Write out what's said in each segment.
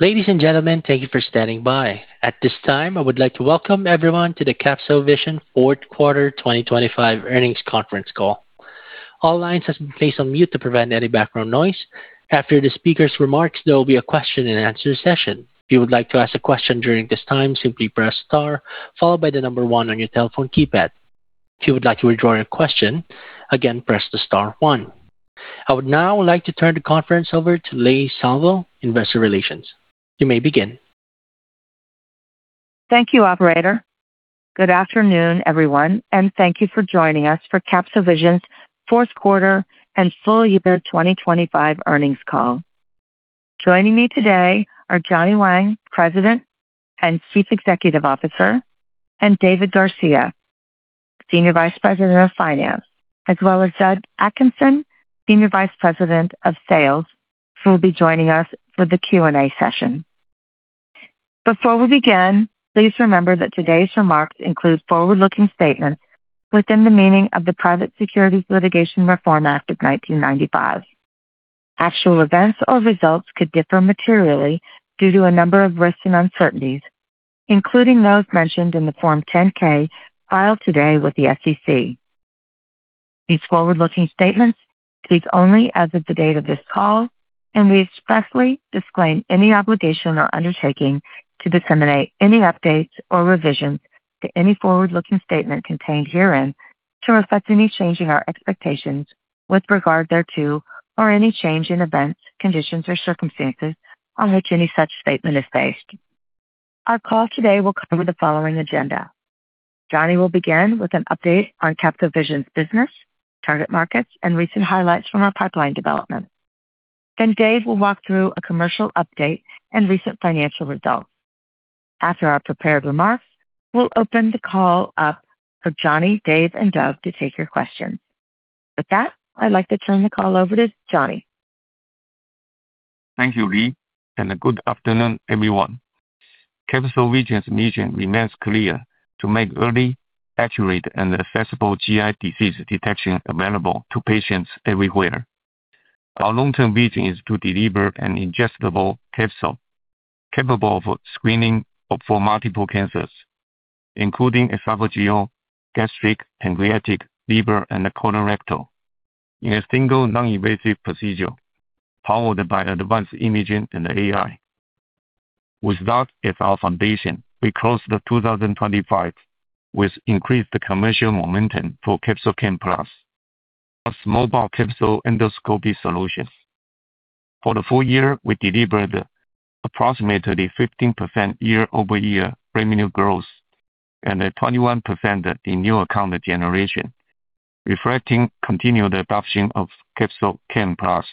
Ladies and gentlemen, thank you for standing by. At this time, I would like to welcome everyone to the CapsoVision Fourth Quarter 2025 Earnings Conference Call. All lines have been placed on mute to prevent any background noise. After the speaker's remarks, there will be a question and answer session. If you would like to ask a question during this time, simply press star followed by the number one on your telephone keypad. If you would like to withdraw your question again, press the star one. I would now like to turn the conference over to Leigh Salvo, Investor Relations. You may begin. Thank you, operator. Good afternoon, everyone, and thank you for joining us for CapsoVision's Fourth Quarter and Full Year 2025 Earnings Call. Joining me today are Johnny Wang, President and Chief Executive Officer, and David Garcia, Senior Vice President of Finance, as well as Doug Atkinson, Senior Vice President of Sales, who will be joining us for the Q&A session. Before we begin, please remember that today's remarks include forward-looking statements within the meaning of the Private Securities Litigation Reform Act of 1995. Actual events or results could differ materially due to a number of risks and uncertainties, including those mentioned in the Form 10-K filed today with the SEC. These forward-looking statements speak only as of the date of this call, and we expressly disclaim any obligation or undertaking to disseminate any updates or revisions to any forward-looking statement contained herein to reflect any change in our expectations with regard thereto or any change in events, conditions, or circumstances on which any such statement is based. Our call today will cover the following agenda. Johnny will begin with an update on CapsoVision's business, target markets, and recent highlights from our pipeline development. Then David will walk through a commercial update and recent financial results. After our prepared remarks, we'll open the call up for Johnny, David, and Doug to take your questions. With that, I'd like to turn the call over to Johnny. Thank you, Leigh, and good afternoon, everyone. CapsoVision's mission remains clear: to make early, accurate, and accessible GI disease detection available to patients everywhere. Our long-term vision is to deliver an ingestible capsule capable of screening for multiple cancers, including esophageal, gastric, pancreatic, liver, and colorectal in a single non-invasive procedure powered by advanced imaging and AI. With that as our foundation, we closed 2025 with increased commercial momentum for CapsoCam Plus, a small-bowel capsule endoscopy solution. For the full year, we delivered approximately 15% year-over-year revenue growth and a 21% in new account generation, reflecting continued adoption of CapsoCam Plus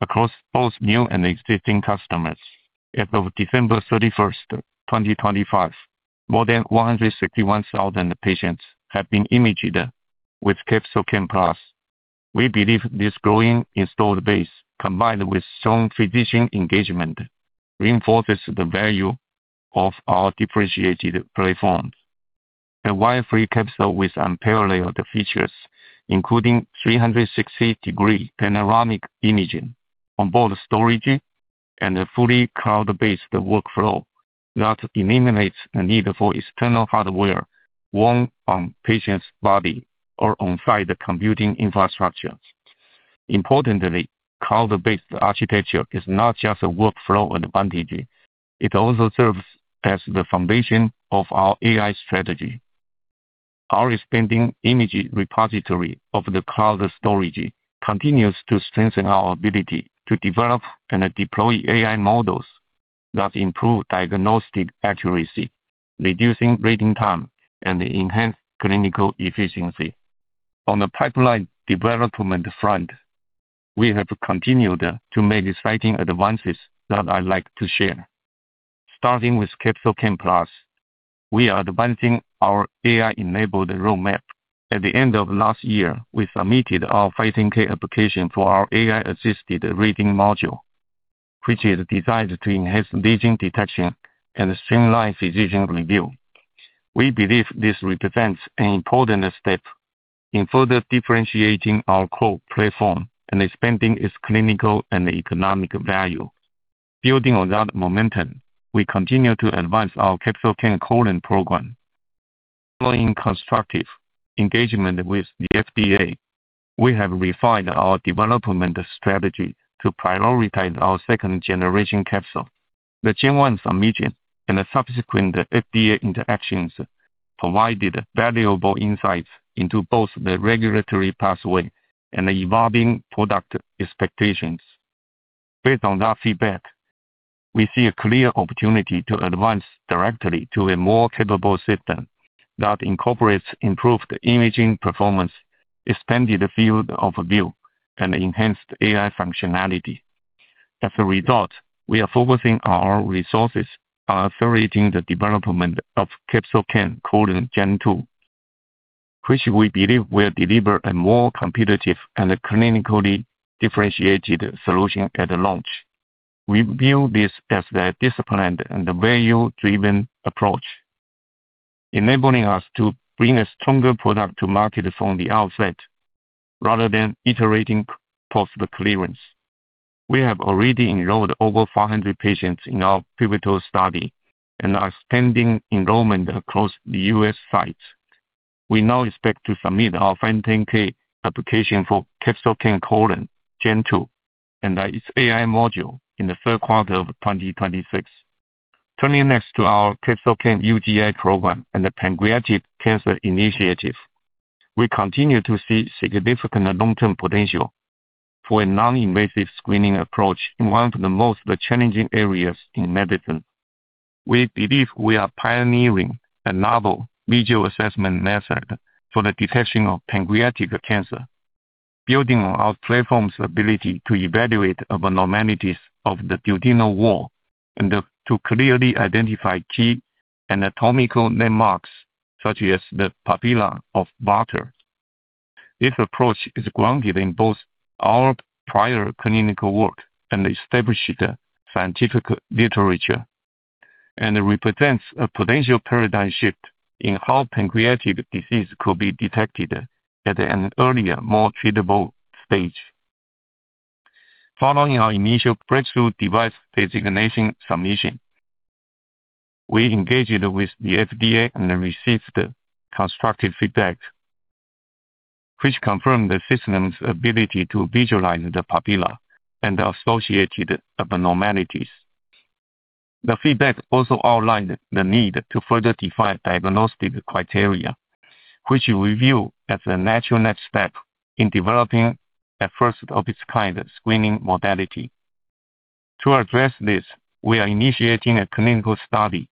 across both new and existing customers. As of December 31st, 2025, more than 161,000 patients have been imaged with CapsoCam Plus. We believe this growing installed base, combined with strong physician engagement, reinforces the value of our differentiated platform. A wire-free capsule with unparalleled features, including 360-degree panoramic imaging, onboard storage, and a fully cloud-based workflow that eliminates the need for external hardware worn on patient's body or on-site computing infrastructure. Importantly, cloud-based architecture is not just a workflow advantage, it also serves as the foundation of our AI strategy. Our expanding image repository in the cloud storage continues to strengthen our ability to develop and deploy AI models that improve diagnostic accuracy, reducing reading time, and enhance clinical efficiency. On the pipeline development front, we have continued to make exciting advances that I'd like to share. Starting with CapsoCam Plus, we are advancing our AI-enabled roadmap. At the end of last year, we submitted our 510(k) application for our AI-assisted reading module, which is designed to enhance lesion detection and streamline physician review. We believe this represents an important step in further differentiating our core platform and expanding its clinical and economic value. Building on that momentum, we continue to advance our CapsoCam Colon program. Following constructive engagement with the FDA, we have refined our development strategy to prioritize our second-generation capsule. The Gen 1 submission and the subsequent FDA interactions provided valuable insights into both the regulatory pathway and the evolving product expectations. Based on that feedback, we see a clear opportunity to advance directly to a more capable system that incorporates improved imaging performance, expanded field of view, and enhanced AI functionality. As a result, we are focusing our resources on accelerating the development of CapsoCam Colon Gen 2, which we believe will deliver a more competitive and clinically differentiated solution at launch. We view this as a disciplined and value-driven approach, enabling us to bring a stronger product to market from the outset rather than iterating post-clearance. We have already enrolled over 400 patients in our pivotal study and are starting enrollment across the U.S. sites. We now expect to submit our 510(k) application for CapsoCam Colon Gen 2 and its AI module in the third quarter of 2026. Turning next to our CapsoCam UGI program and the pancreatic cancer initiative. We continue to see significant long-term potential for a non-invasive screening approach in one of the most challenging areas in medicine. We believe we are pioneering a novel visual assessment method for the detection of pancreatic cancer, building on our platform's ability to evaluate abnormalities of the duodenal wall and to clearly identify key anatomical landmarks such as the papilla of Vater. This approach is grounded in both our prior clinical work and established scientific literature, and it represents a potential paradigm shift in how pancreatic disease could be detected at an earlier, more treatable stage. Following our initial breakthrough device designation submission, we engaged with the FDA and received constructive feedback which confirmed the system's ability to visualize the papilla and associated abnormalities. The feedback also outlined the need to further define diagnostic criteria, which we view as a natural next step in developing a first-of-its-kind screening modality. To address this, we are initiating a clinical study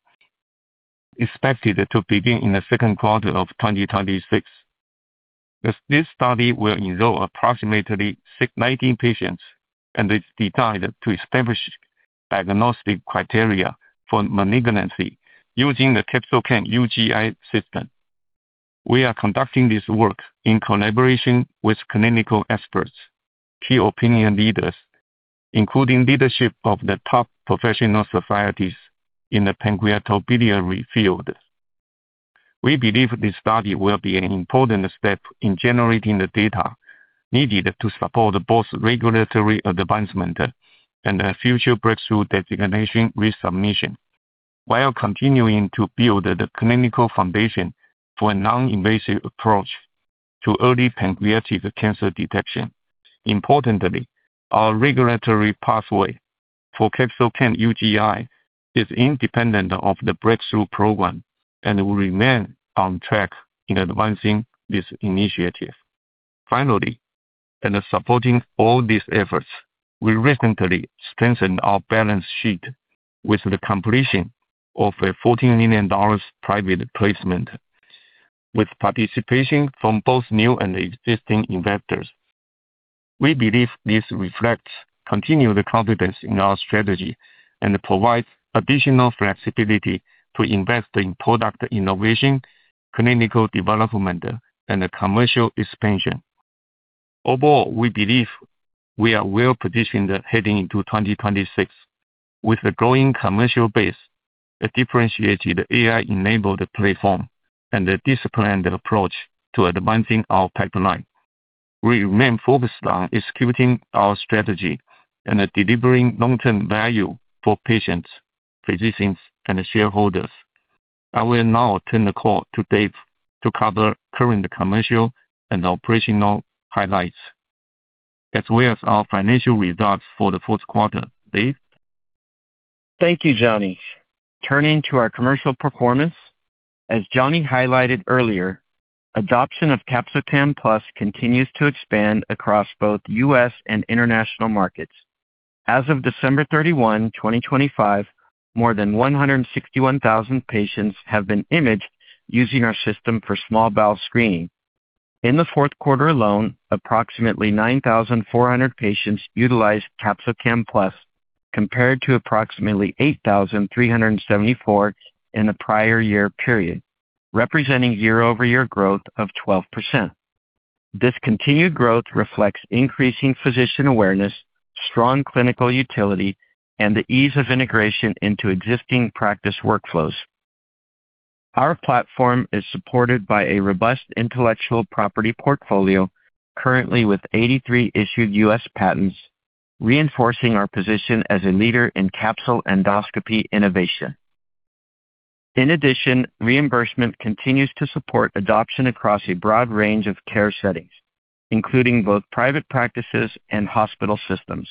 expected to begin in the second quarter of 2026. This study will enroll approximately 60-90 patients, and it's designed to establish diagnostic criteria for malignancy using the CapsoCam UGI system. We are conducting this work in collaboration with clinical experts, key opinion leaders, including leadership of the top professional societies in the pancreatobiliary field. We believe this study will be an important step in generating the data needed to support both regulatory advancement and a future breakthrough designation resubmission while continuing to build the clinical foundation for a non-invasive approach to early pancreatic cancer detection. Importantly, our regulatory pathway for CapsoCam UGI is independent of the breakthrough program and will remain on track in advancing this initiative. Finally, in supporting all these efforts, we recently strengthened our balance sheet with the completion of a $14 million private placement with participation from both new and existing investors. We believe this reflects continued confidence in our strategy and provides additional flexibility to invest in product innovation, clinical development, and commercial expansion. Overall, we believe we are well-positioned heading into 2026 with a growing commercial base, a differentiated AI-enabled platform, and a disciplined approach to advancing our pipeline. We remain focused on executing our strategy and delivering long-term value for patients, physicians, and shareholders. I will now turn the call to David to cover current commercial and operational highlights as well as our financial results for the fourth quarter. Dave? Thank you, Johnny. Turning to our commercial performance. As Johnny highlighted earlier, adoption of CapsoCam Plus continues to expand across both U.S. and international markets. As of December 31, 2025, more than 161,000 patients have been imaged using our system for small bowel screening. In the fourth quarter alone, approximately 9,400 patients utilized CapsoCam Plus, compared to approximately 8,374 in the prior year period, representing year-over-year growth of 12%. This continued growth reflects increasing physician awareness, strong clinical utility, and the ease of integration into existing practice workflows. Our platform is supported by a robust intellectual property portfolio, currently with 83 issued U.S. patents, reinforcing our position as a leader in capsule endoscopy innovation. In addition, reimbursement continues to support adoption across a broad range of care settings, including both private practices and hospital systems.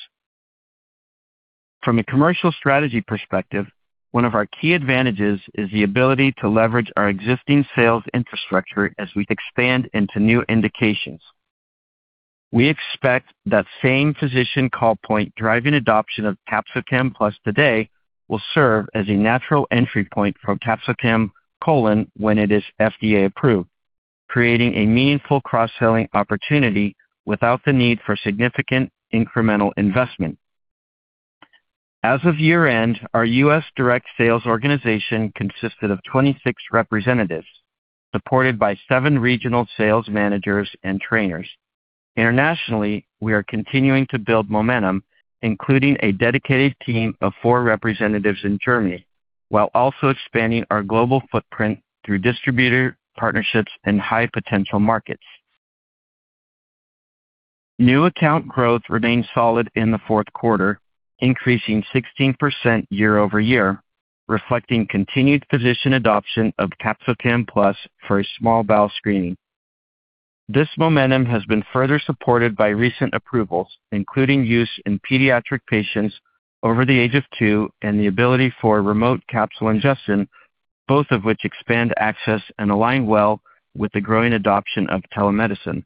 From a commercial strategy perspective, one of our key advantages is the ability to leverage our existing sales infrastructure as we expand into new indications. We expect that same physician call point driving adoption of CapsoCam Plus today will serve as a natural entry point for CapsoCam Colon when it is FDA-approved, creating a meaningful cross-selling opportunity without the need for significant incremental investment. As of year-end, our U.S. direct sales organization consisted of 26 representatives supported by seven regional sales managers and trainers. Internationally, we are continuing to build momentum, including a dedicated team of four representatives in Germany, while also expanding our global footprint through distributor partnerships in high potential markets. New account growth remained solid in the fourth quarter, increasing 16% year-over-year, reflecting continued physician adoption of CapsoCam Plus for small bowel screening. This momentum has been further supported by recent approvals, including use in pediatric patients over the age of two and the ability for remote capsule ingestion, both of which expand access and align well with the growing adoption of telemedicine.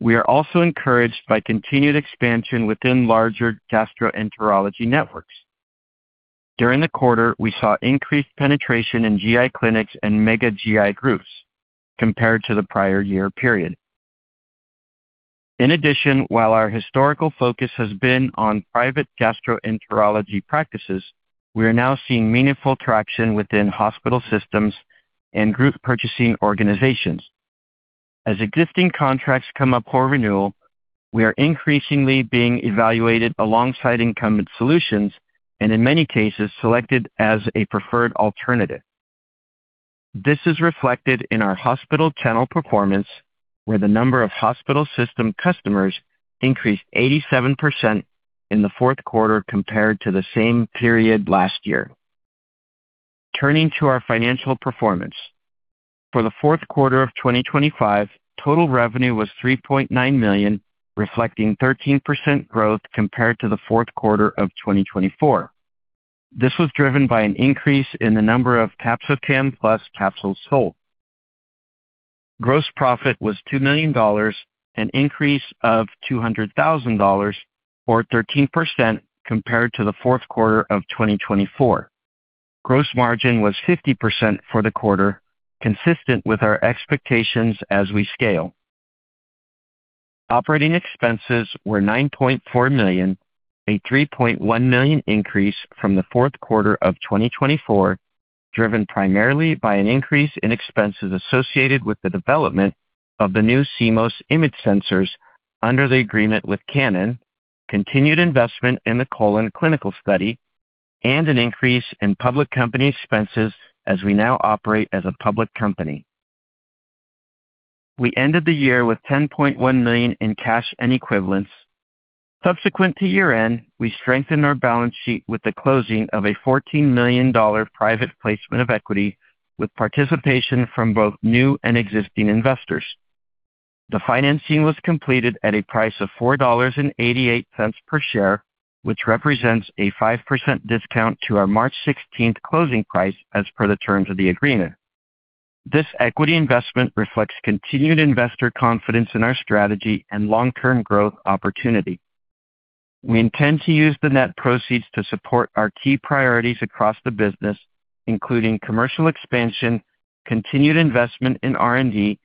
We are also encouraged by continued expansion within larger gastroenterology networks. During the quarter, we saw increased penetration in GI clinics and mega GI groups compared to the prior year period. In addition, while our historical focus has been on private gastroenterology practices, we are now seeing meaningful traction within hospital systems and group purchasing organizations. As existing contracts come up for renewal, we are increasingly being evaluated alongside incumbent solutions and in many cases selected as a preferred alternative. This is reflected in our hospital channel performance, where the number of hospital system customers increased 87% in the fourth quarter compared to the same period last year. Turning to our financial performance. For the fourth quarter of 2025, total revenue was $3.9 million, reflecting 13% growth compared to the fourth quarter of 2024. This was driven by an increase in the number of CapsoCam Plus capsules sold. Gross profit was $2 million, an increase of $200,000 or 13% compared to the fourth quarter of 2024. Gross margin was 50% for the quarter, consistent with our expectations as we scale. Operating expenses were $9.4 million, a $3.1 million increase from the fourth quarter of 2024, driven primarily by an increase in expenses associated with the development of the new CMOS image sensors under the agreement with Canon, continued investment in the colon clinical study, and an increase in public company expenses as we now operate as a public company. We ended the year with $10.1 million in cash and equivalents. Subsequent to year-end, we strengthened our balance sheet with the closing of a $14 million private placement of equity, with participation from both new and existing investors. The financing was completed at a price of $4.88 per share, which represents a 5% discount to our March 16 closing price as per the terms of the agreement. This equity investment reflects continued investor confidence in our strategy and long-term growth opportunity. We intend to use the net proceeds to support our key priorities across the business, including commercial expansion, continued investment in R&D,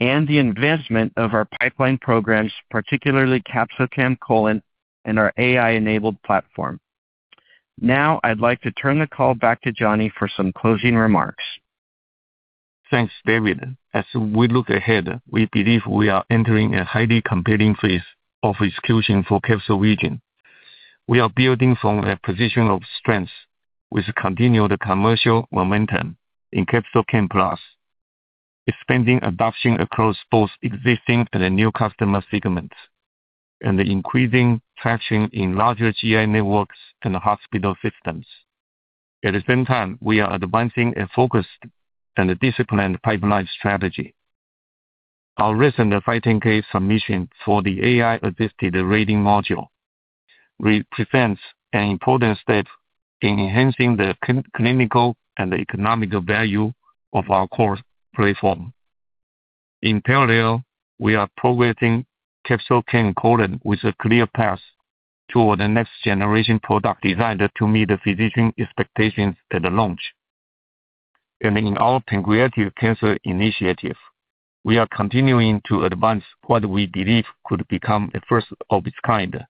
and the advancement of our pipeline programs, particularly CapsoCam Colon and our AI-enabled platform. Now, I'd like to turn the call back to Johnny for some closing remarks. Thanks, David. As we look ahead, we believe we are entering a highly competitive phase of execution for CapsoVision. We are building from a position of strength with continued commercial momentum in CapsoCam Plus, expanding adoption across both existing and new customer segments, and increasing traction in larger GI networks and hospital systems. At the same time, we are advancing a focused and disciplined pipeline strategy. Our recent 510(k) submission for the AI-assisted reading module represents an important step in enhancing the clinical and economical value of our core platform. In parallel, we are progressing CapsoCam Colon with a clear path toward the next-generation product designed to meet physician expectations at launch. In our pancreatic cancer initiative, we are continuing to advance what we believe could become a first of its kind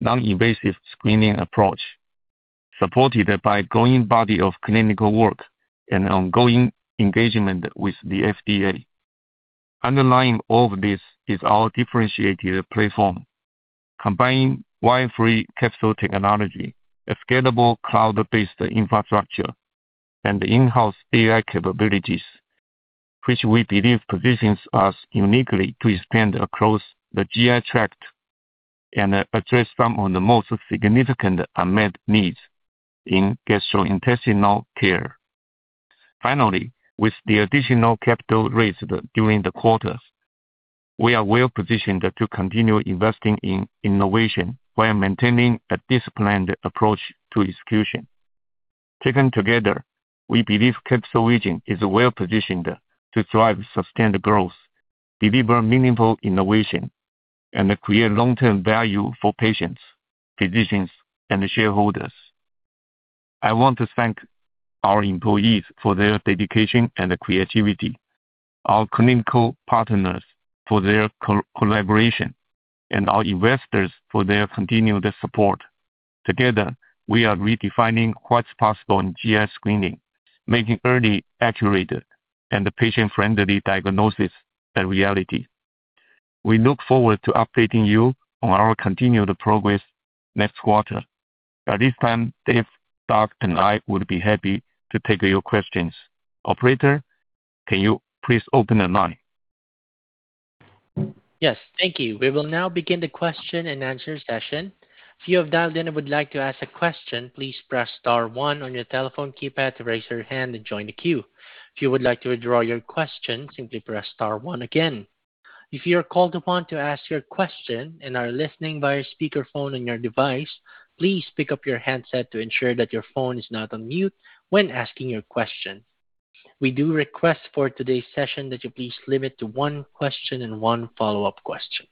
non-invasive screening approach, supported by growing body of clinical work and ongoing engagement with the FDA. Underlying all of this is our differentiated platform, combining wire-free capsule technology, a scalable cloud-based infrastructure, and in-house AI capabilities, which we believe positions us uniquely to expand across the GI tract and address some of the most significant unmet needs in gastrointestinal care. Finally, with the additional capital raised during the quarter, we are well-positioned to continue investing in innovation while maintaining a disciplined approach to execution. Taken together, we believe CapsoVision is well-positioned to drive sustained growth, deliver meaningful innovation, and create long-term value for patients, physicians, and shareholders. I want to thank our employees for their dedication and creativity. Our clinical partners for their collaboration and our investors for their continued support. Together, we are redefining what's possible in GI screening, making early, accurate, and patient-friendly diagnosis a reality. We look forward to updating you on our continued progress next quarter. At this time, Dave, Doug, and I would be happy to take your questions. Operator, can you please open the line? Yes. Thank you. We will now begin the question-and-answer session. If you have dialed in and would like to ask a question, please press star one on your telephone keypad to raise your hand and join the queue. If you would like to withdraw your question, simply press star one again. If you are called upon to ask your question and are listening via speakerphone on your device, please pick up your handset to ensure that your phone is not on mute when asking your question. We do request for today's session that you please limit to one question and one follow-up question.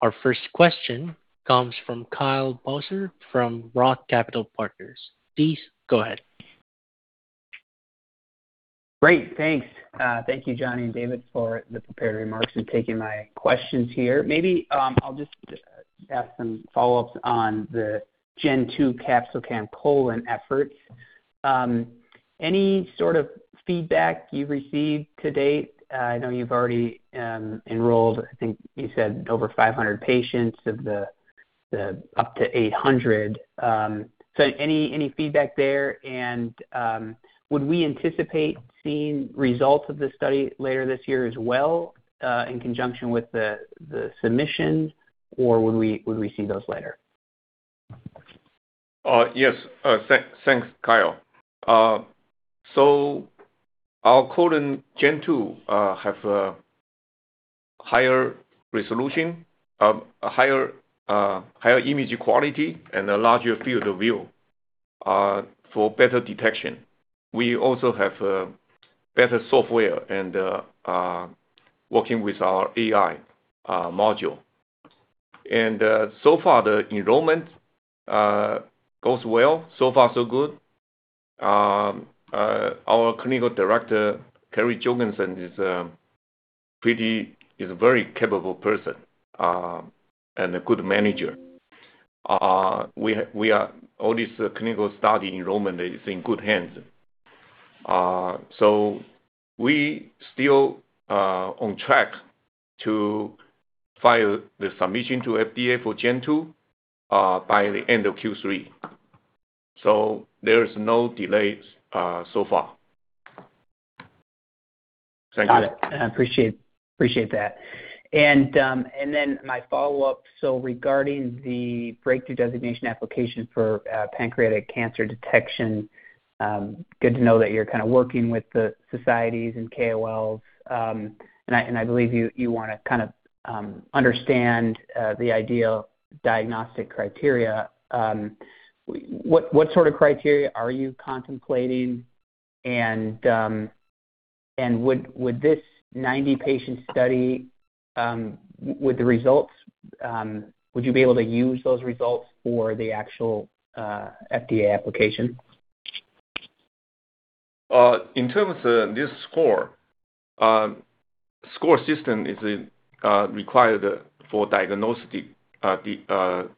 Our first question comes from Kyle Bowser from ROTH Capital Partners. Please go ahead. Great. Thanks, thank you, Johnny and David, for the prepared remarks and taking my questions here. Maybe, I'll just have some follow-ups on the Gen 2 CapsoCam Colon efforts. Any sort of feedback you've received to date? I know you've already enrolled, I think you said over 500 patients of the up to 800. So any feedback there and would we anticipate seeing results of this study later this year as well, in conjunction with the submission, or would we see those later? Yes. Thanks, Kyle. So our colon Gen 2 have a higher resolution, a higher image quality and a larger field of view for better detection. We also have better software and working with our AI module. So far, the enrollment goes well. So far so good. Our clinical director, Carrie Jorgensen, is a very capable person and a good manager. All this clinical study enrollment is in good hands. We still on track to file the submission to FDA for Gen 2 by the end of Q3. There is no delays so far. Thank you. Got it. I appreciate that. My follow-up. Regarding the breakthrough designation application for pancreatic cancer detection, good to know that you're kind of working with the societies and KOLs, and I believe you wanna kind of understand the ideal diagnostic criteria. What sort of criteria are you contemplating? Would this 90-patient study, would the results, would you be able to use those results for the actual FDA application? In terms of this score system is required for diagnostic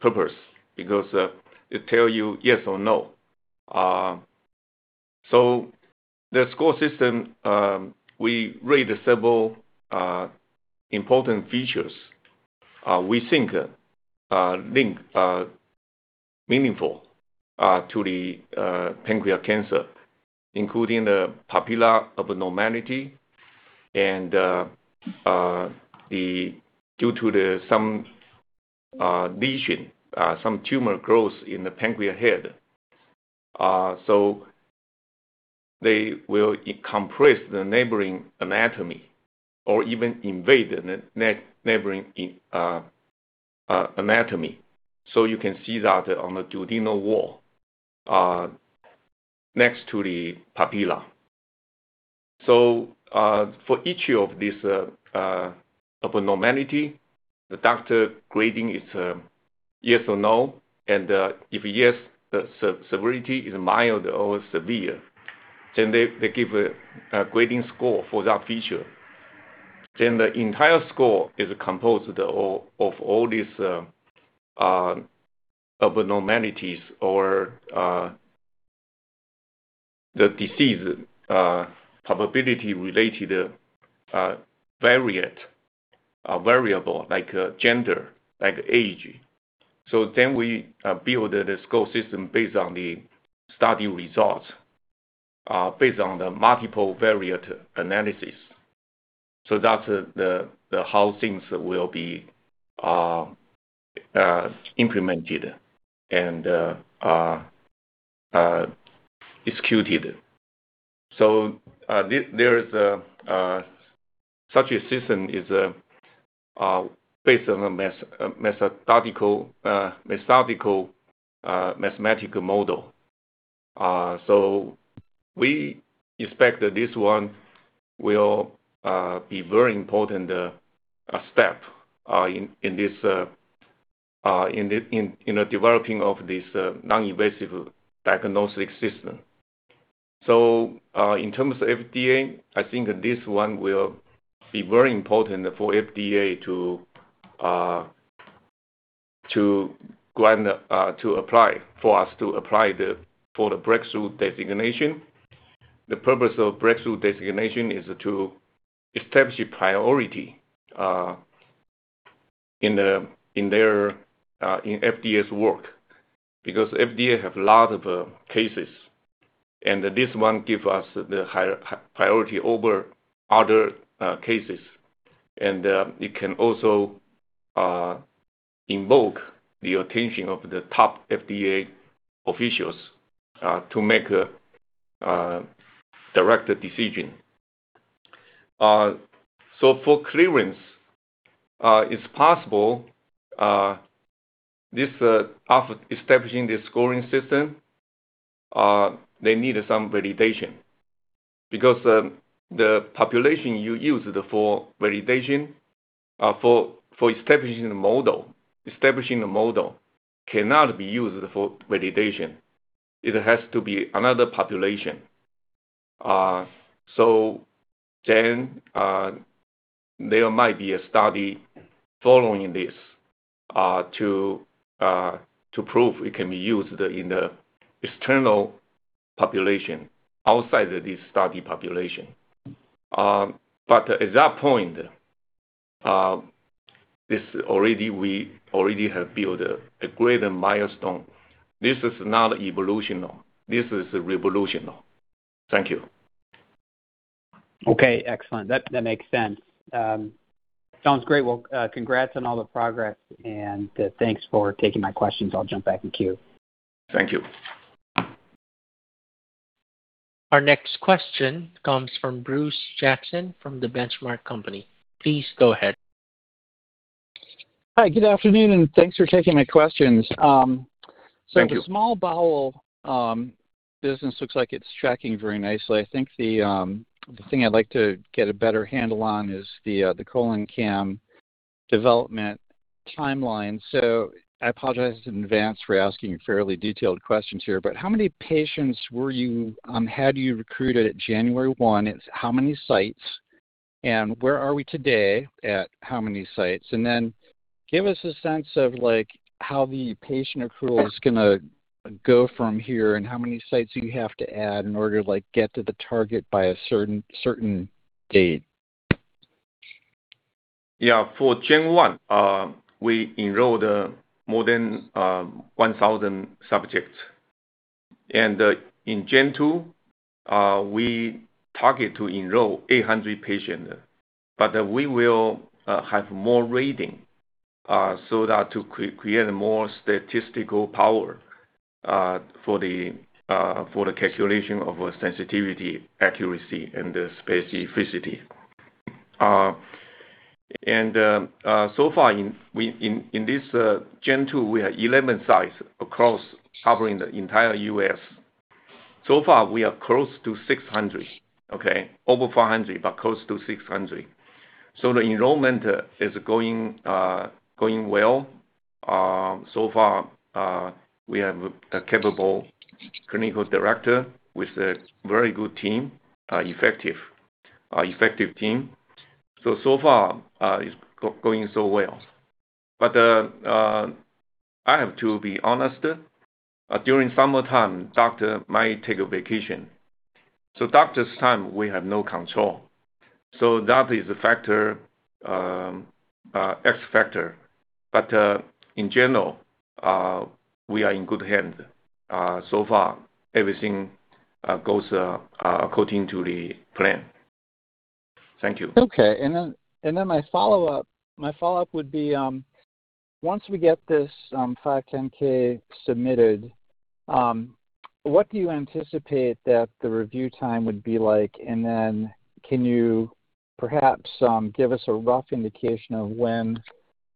purpose because it tell you yes or no. The score system we rate several important features we think linked meaningfully to the pancreatic cancer, including the papilla abnormality and due to some lesion some tumor growth in the pancreatic head. They will compress the neighboring anatomy or even invade the neighboring anatomy. You can see that on the duodenal wall next to the papilla. For each of these abnormality, the doctor grading is yes or no, and if yes, the severity is mild or severe, then they give a grading score for that feature. The entire score is composed of all these abnormalities or the disease probability related multivariate variable like gender, like age. We build the score system based on the study results based on the multivariate analysis. That's how things will be implemented and executed. Such a system is based on a methodological mathematical model. We expect that this one will be very important step in the development of this non-invasive diagnostic system. In terms of FDA, I think this one will be very important for FDA to grant, for us to apply for the breakthrough designation. The purpose of breakthrough designation is to establish a priority in FDA's work, because FDA have lot of cases, and this one give us the higher priority over other cases. It can also invoke the attention of the top FDA officials to make a direct decision. For clearance, it's possible after establishing the scoring system, they need some validation because the population you use for validation for establishing the model cannot be used for validation. It has to be another population. There might be a study following this to prove it can be used in the external population outside of the study population. At that point, we already have built a greater milestone. This is not evolutionary. This is revolutionary. Thank you. Okay, excellent. That makes sense. Sounds great. Well, congrats on all the progress, and thanks for taking my questions. I'll jump back in queue. Thank you. Our next question comes from Bruce Jackson from The Benchmark Company. Please go ahead. Hi, good afternoon, and thanks for taking my questions. Thank you. The small bowel business looks like it's tracking very nicely. I think the thing I'd like to get a better handle on is the CapsoCam development timeline. I apologize in advance for asking fairly detailed questions here, but how many patients had you recruited at January 1? It's how many sites, and where are we today at how many sites? Then give us a sense of, like, how the patient accrual is gonna go from here and how many sites you have to add in order to, like, get to the target by a certain date. Yeah. For Gen 1, we enrolled more than 1,000 subjects. In Gen 2, we target to enroll 800 patient. But we will have more reading so that to create a more statistical power for the calculation of sensitivity, accuracy and the specificity. So far, in this Gen 2, we are 11 sites across covering the entire U.S. So far, we are close to 600, okay? Over 500, but close to 600. The enrollment is going well. So far, we have a capable clinical director with a very good team, effective team. So far, is going so well. I have to be honest, during summertime, doctor might take a vacation, so doctor's time we have no control, so that is a factor, X factor. In general, we are in good hand. So far, everything goes according to the plan. Thank you. Okay. My follow-up would be, once we get this 510(k) submitted, what do you anticipate that the review time would be like? Can you perhaps give us a rough indication of when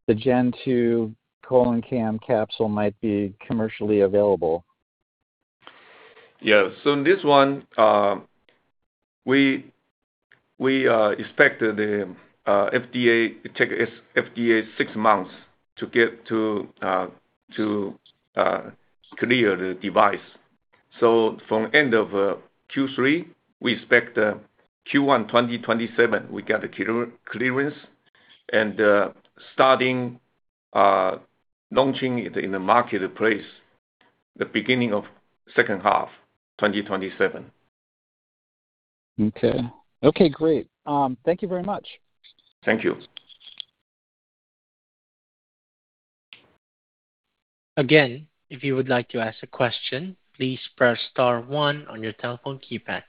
the CapsoCam Colon Gen 2 capsule might be commercially available? Yes. In this one, we expect the FDA takes six months to get to clear the device. From end of Q3, we expect Q1 2027, we get a clearance and starting launching it in the marketplace the beginning of second half, 2027. Okay. Okay, great. Thank you very much. Thank you. Again, if you would like to ask a question, please press star one on your telephone keypad.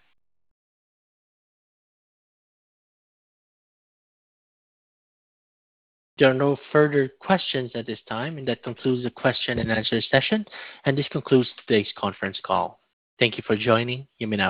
There are no further questions at this time. That concludes the question and answer session. This concludes today's conference call. Thank you for joining. You may now.